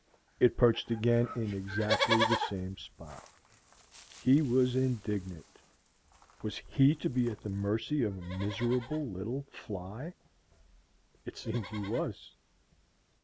It perched again in exactly the same spot. He was indignant: was he to be at the mercy of a miserable little fly? It seemed he was.